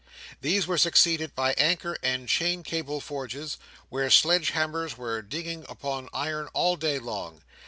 These were succeeded by anchor and chain cable forges, where sledgehammers were dinging upon iron all day long.